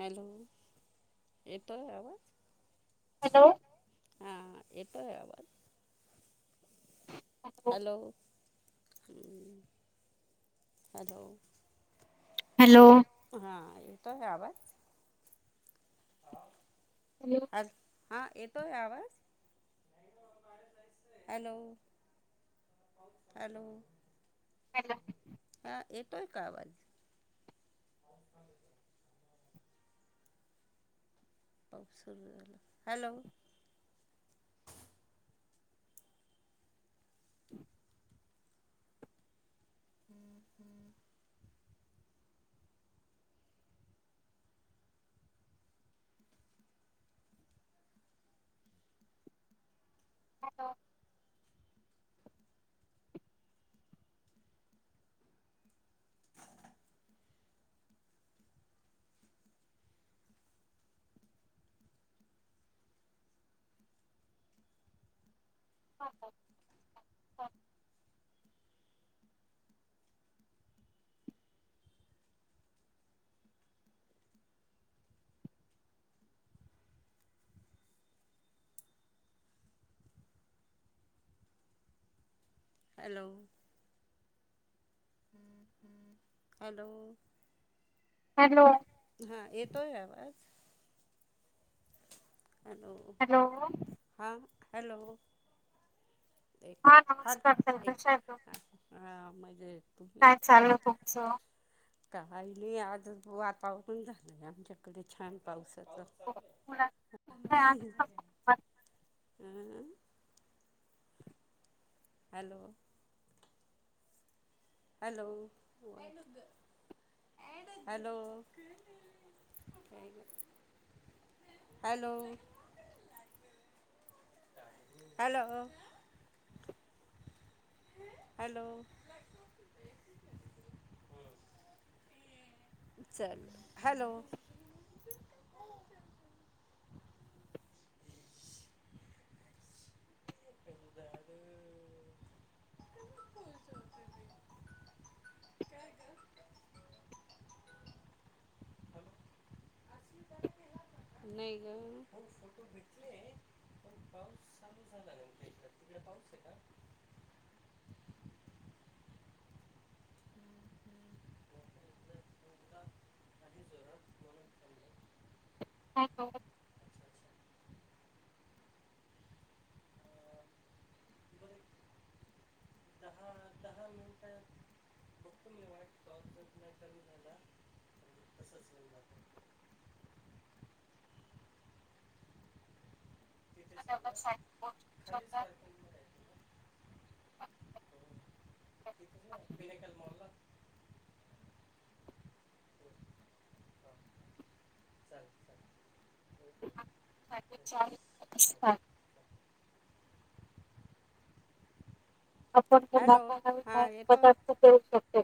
Hello, येतोय आवाज? Hello. हा. येतोय आवाज. हॅलो. हॅलो. हॅलो. हा येतोय आवाज. हा. हॅलो, हा येतोय आवाज? हॅलो. हॅलो. हॅलो. हा. येतोय का आवाज? सुरू झाला. Hello. [inaudible] Hello. [inaudible] Hello. [inaudible] Hello. Hello. हा येतोय आवाज? हॅलो. हॅलो. हां हॅलो. एक हा हर नमस्कार ताई एक कशा आहेत तुम्ही हा म्हणजे तुम्ही. स काही नाही आज वातावरण झालंय आमच्याकडे छान पावसाचं. हम. Hello. Hello. Hello. Hello. Hello. Hello. चल हॅलो. कधी झाल. नाही ग. पण पाऊस चालू झाला न इथे. तिकडे पाऊसय, का? हम्म, हम्म. [unintelligible] आणि जोरात म्हणून [inaudible] हॅलो. बर, दहा- दहा मिनिटात. बघतो, मी वाईट प्रॉपट नाही तर ह्याला. तसंच नाही जात. [unintelligible] [inaudible] मॉलला. [inaudible] ह, चालेल- चालेल. माझी इच्छा आहे. तुझं सांग. आपण हॅलो, मुलांना नवीन हां. नवीन येतोय. पदार्थ देऊ शकतो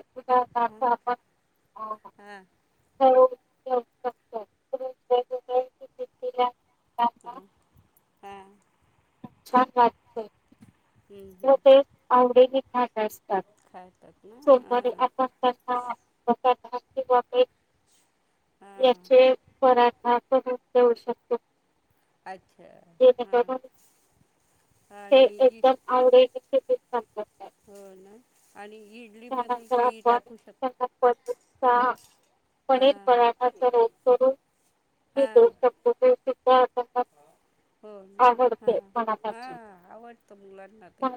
ह. उदाहरणार्थ हां. हॅलो. हा, [inaudible] हा. छान, वाटतंय. ते आवडीने खात असतात. खातात ना सोमवारीे हां आपण [unintelligible] हां याचे पराठा [unintelligible] देऊ शकतो. अच्छा, हां. जेणेकरून ते आणि इ एकदम आवडीने [unintelligible] हो, ना. आणि इडलीमध्ये त्यानंतर काही टाकू शक हा, पनीर - हां पराठाचा रोल करून हा. [unintelligible] आ. हो. झा हा, आवडते मनापासून. हा. आवडतं मुलांना ते.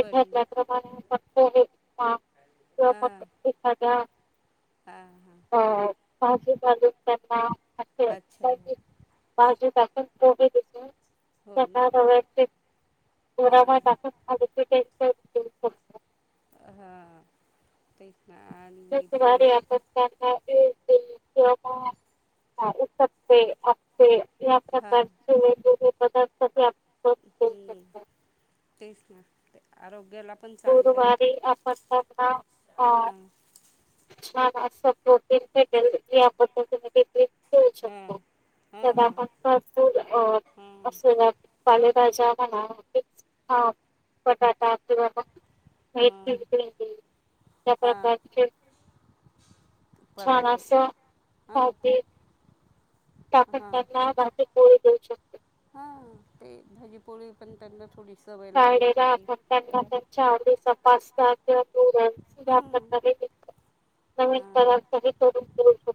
पनीर हा, हा. [unintelligible] भाजी टाकून [unintelligible] अच्छा हो ना हां [unintelligible] हा. [unintelligible] [unintelligible] [unintelligible] या हां प्रकारची [unintelligible] पदार्थ [unintelligible] देऊ ह. शकतो. तेच, ना. आरोग्याला पण चांगलं आहे ते गुरुवारी [unintelligible] हां छान असं [unintelligible] [unintelligible] शकतो हां पण हां आपण पण दूध अ हां अस पालेभाज्या म्हणा. [unintelligible] ह. बटाटा किंवा मग हां [unintelligible] त्या हां प्रकारचे छान पराठे असं, हां [unintelligible] पो टाकून त्यांना, भाजी - पोळी देऊ शकतो. हा, ते भाजीपोळी पण त्यांना थोडी सवय लागण्यासाठी. ह. चार दिवसा पास्ता किंवा हां नूडल्स [unintelligible] नवीन करून [unintelligible] करून देतो.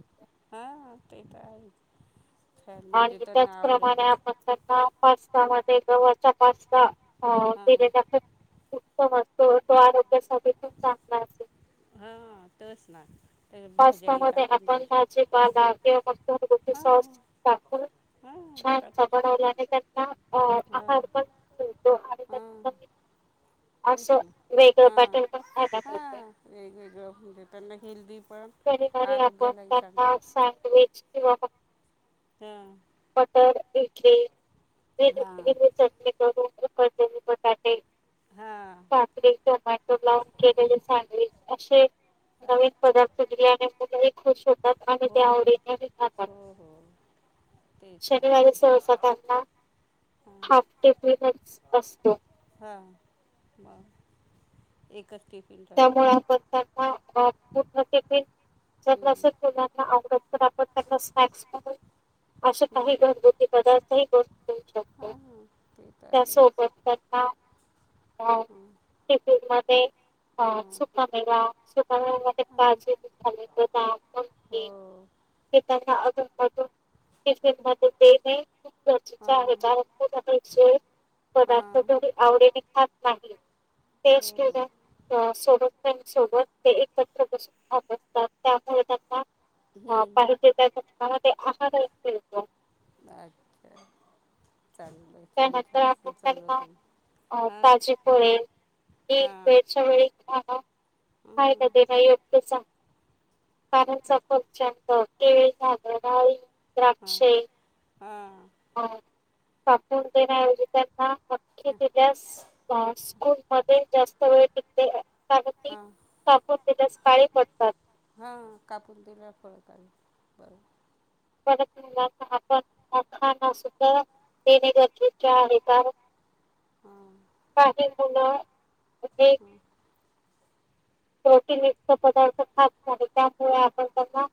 हा हा ते त आहेच [unintelligible] म्हणजे आणि त्यांना आवडेल त्याचप्रमाणे तस आपण त्यांना पास्ता मध्ये गव्हाचा पास्ता अ दिले हां जातो. उत्तम असतो तो आरोग्यासाठी खूप चांगला असेल. हा तच ना त्यात भाज्याही पास्तामध्ये टाकून देऊ आपण शकतो. भाजीपाला किंवा मग घरगुती हां सॉस टाकून हा छानसा टाकू बनवल्याने त्यांना अ [unintelligible] हा आहार पण मिळतो आणि हा त्यांना तेच असं न वेगळं हा पॅटर्न पण खायला मिळतं. हा वेगवेगळं म्हणजे त्यांना हेल्दी पण शनिवारी आपण आरोग्यालाही चांगलं त्यांना सँडविच किंवा म हा मटर इडली हां [unintelligible] चटणी करून [unintelligible] त्यांनी पटाटे हां काकडीचा बॅटर लावून केलेले सँडविच असे नवीन असं पदार्थ [unintelligible] मुले ही खुश होतात आणि हो ते आवडीने ही खातात. हो हो तेच ना शनिवारी सहसा त्यांना हां हाफ टिफिनच असतो. हां म एक कंच टिफिन राहतो त्यामुळे आपण त्यांना [unintelligible] टिफिन जे हं, नसलं मुलांना आवडत पण आपण त्यांना स्नॅक्स म्हणून हं. काही बनवून ते पदार्थ ही बनवून देवू शकतो हां हां ते तर त्या आहेच सोबत त्यांना हा हां टिफिन मध्ये हा हां सुका मेवा सुका मेवा मा ते हां हां. काजू [unintelligible] बदाम [unintelligible] हो हे त्यांना अधूनमधून टिफिन मध्ये देणे खूप हा गरजेचे आहे कारण मुलं त [unintelligible] हा पदार्थ घरी आवडीनी खात नाही ते हो हो स्कूलला सोबत पण सोबत ते एकत्र बसून खात असतात त्यामुळे त्यांना हा हम्म पाहिजे ते बघताना ते आहार ही मिळतो. बाकी काय चाललंय. त्यानंतर आपण त्यांना अ हां भाजी पोळी ही हां वेळच्या वेळी [unintelligible] खायला हां देणं योग्यच आ ते कारण तर सफरचंद, केळी झाल डाळिंब हां द्राक्षे हां हा कापून देण्याऐवजी त्यांना आख्खे दिल्यास हा स्कूल मध्ये जास्त वेळ टिकते. आणि ती हां कापून दिल्यास काळी पडतात. हां कापून दिल्यावर फळं काळी बरोंबर परत मुलांना आपण मखांना सुद्धा देणे गरजेचे आहे कारण हा काही मुलं [unintelligible] [unintelligible] प्रोटनयुक्त पदार्थ खात नाही त्यामुळे आपण त्यांना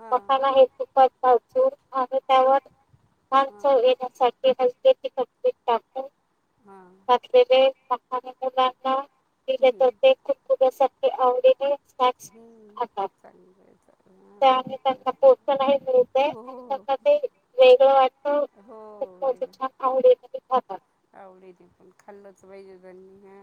हां मखाना हे [unintelligible] भाजून आणि त्यावर [unintelligible] हां चव येण्यासाठी नुसतं तिखट हां घातलेले मखाने मुलांना दिले हम्म होते खूप [unintelligible] खुपारे आवडीने हम [unintelligible] त्या आणि त्यांना पोषणही मिळते हो आणि हो त्यांना ते वेगळं वाटत. हो [unintelligible] छान आवड ते खातात आवडी त पण खाल्लच पाहिजेणी [unintelligible] ह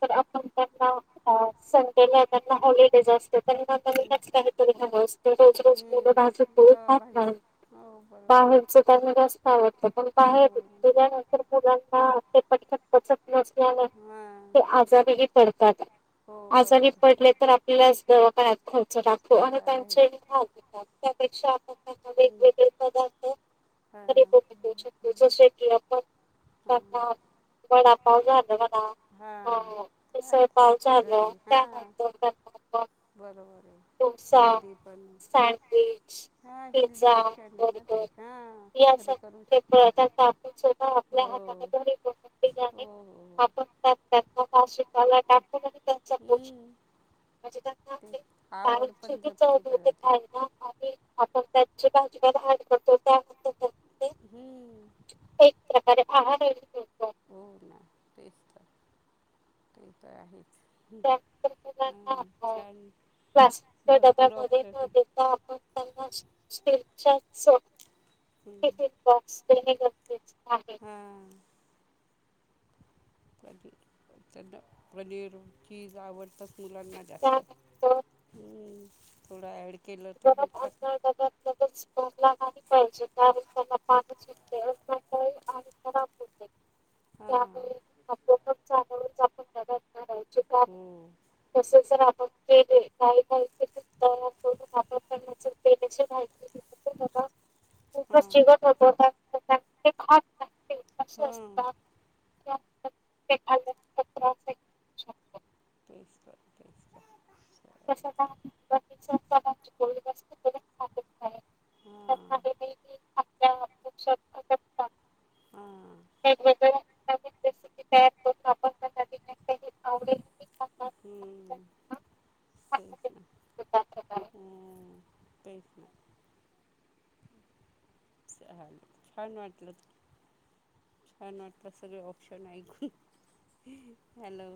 पण आपण त्यांना [unintelligible] ते काय त्यांना हॉलिडेज असत. त्यां हम्म काही [unintelligible] असते रोज रोज मुलं भा हम्म. हो भाजिचं, हो बर बाहेरच त्यांना जास्त आवडत, पण बाहेर हो दिल्यानंतर मुलांना ते पटकन पचत नसल्याने हां ते आजारीही पडतात, हो आजारी बरोबर पडले तर आपल्यालास दवाखायात खर्च टाकतो ते आणि तर त्यांचे आहेच भाग घेतात. त्यापेक्षा आप हम्, हां, हा. शक्यतो सेट बडा हां [unintelligible] वडा पाव झालं बला हा. मिसळ पाव चाल त्यानंतर त्यांना बरोबर आहे डोसा, हेल्दी पण सँडविच. हां हेल्दी पिझ्झा, ऑप्शन आहे ना ते बर्गर हां या घरी सग करू [unintelligible] शकतो आपणधा हो आप ह हो हो हो आप [unintelligible] त्यांना फार शिकायला टाकतात, आणि त्यांचा पो हम्म. म्हणजे त्यांना ते काही आवड पण चुकीचं जपली होते ते पाहिजे काय ना आणि आपण त्याची भाजीहाड करतो ते [inaudible] हम्म. एक प्रकारे आहार [unintelligible] त हो ना. तेस त. त आहेच हम, त्यानंतर मुलांना हां अ, छान, भरपूर ऑफश तर आपण त्यांना स्टीलच्या [unintelligible] हं एक एक बॉक्स देणे गरजेच आहे. हां कधी त्यांना पनीर, चीज, आवडतच मुलांना जास्त. त्यानंतर हम्. थोडा ऍड ातगचला नाही पाहिजे त्यावेळे पाणी [inaudible] [inaudible] [inaudible] हां कार हो तस जर आपण के का का तयार कर [inaudible] खूपच हां चगपवतात [inaudible] हां असतात त्यानंतर ते खाल्ल्यानंतर त्रास आहे होऊ शकतो तेच तर तेच तर स का [inaudible] हां खूप शकता [unintelligible] हां एक बजे [inaudible] त्यांना दिल्या काही आवडेल खातात हं तेच ना खातात. हं तेच ना चालेल छान वाटलं. छान वाटत सगळ ऑप्शन ऐकून, हॅलो.